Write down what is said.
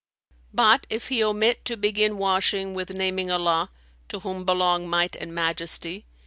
But if he omit to begin washing with naming Allah (to whom belong might and majesty!)